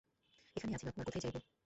এইখানেই আছি বাপু, আর কোথায় যাইব?